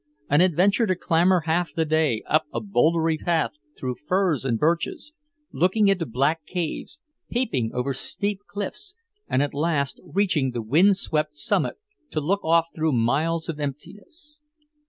An adventure to clamber half the day up a bouldery path through firs and birches, looking into black caves, peeping over steep cliffs, and at last reaching the wind swept summit to look off through miles of emptiness.